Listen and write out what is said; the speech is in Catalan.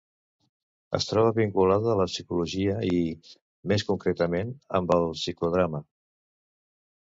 Es troba vinculada a la psicologia i, més concretament, amb el psicodrama.